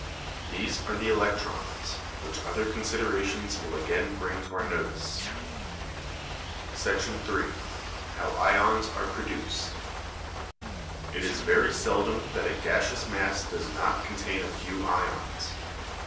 These are the electrons, which other considerations will again bring to our notice. § 3. HOW IONS ARE PRODUCED It is very seldom that a gaseous mass does not contain a few ions.